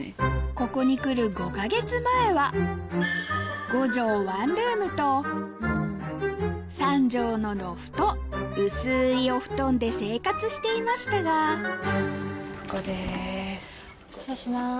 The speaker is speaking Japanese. ここに来る５か月前は５帖ワンルームと３帖のロフト薄いお布団で生活していましたが失礼します。